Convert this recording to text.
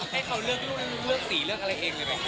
ให้เขาเลือกสีเลือกอะไรเองเลยไหม